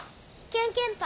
けんけんぱ。